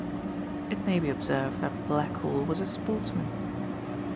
It may be observed that Blackhall was a sportsman.